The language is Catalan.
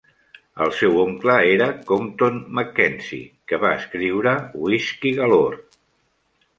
El seu oncle era Compton MacKenzie, que va escriure "Whisky Galore".